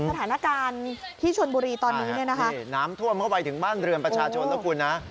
สถานการณ์ที่ชนบุรีตอนนี้เนี่ยนะคะน้ำท่วมเข้าไปถึงบ้านเรือนประชาชนแล้วคุณนะ